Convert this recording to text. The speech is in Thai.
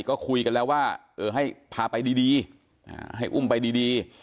ก็คุยกันแล้วว่าเออให้พาไปดีให้อุ้มไปดี